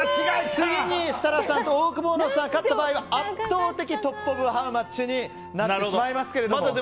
設楽さんとオオクボーノさんが勝った場合は圧倒的トップ・オブ・ハウマッチになってしまいますが。